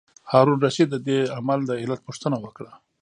هارون الرشید د دې عمل د علت پوښتنه وکړه.